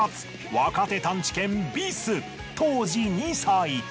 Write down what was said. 若手探知犬ビス当時２歳。